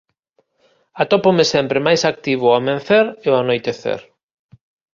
Atópome sempre máis activo ao amencer e ao anoitecer